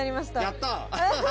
やった！